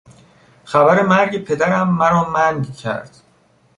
خبر مرگ پدرم مرا منگ کرد.